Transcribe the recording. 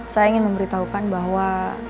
saya ingin memberitahukan bahwa